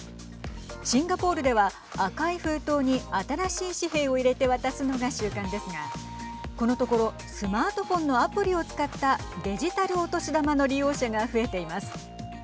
シンガポールでは赤い封筒に新しい紙幣を入れて渡すのが習慣ですがこのところスマートフォンのアプリを使ったデジタルお年玉の利用者が増えています。